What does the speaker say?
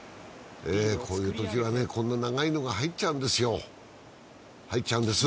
こういうときはこんな長いのが入っちゃうんですよ。